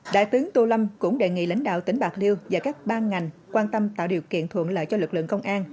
đại tướng tô lâm cũng đề nghị lãnh đạo tỉnh bạc liêu và các ban ngành quan tâm tạo điều kiện thuận lợi cho lực lượng công an